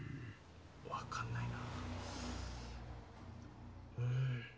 分かんないな。